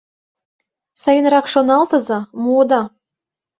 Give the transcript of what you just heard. Сайынрак шоналтыза - муыда.